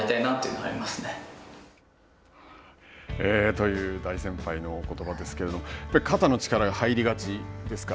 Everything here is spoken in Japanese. という大先輩のおことばですけれども肩の力が入りがちですか。